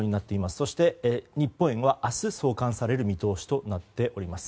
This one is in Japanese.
そして日本へは明日送還される見通しとなっております。